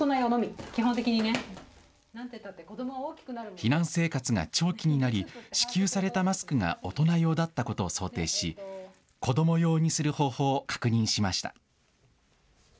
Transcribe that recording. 避難生活が長期になり支給されたマスクが大人用だったことを想定し子ども用にする方法を確認しました。